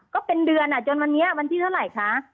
ก็เป็นเดือนจนวันที่เท่าไหร่คะ